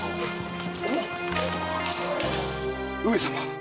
上様！